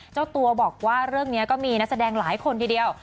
เจ้าตัวบอกว่าเรื่องนี้ก็มีนักแสดงหลายคนทีเดียว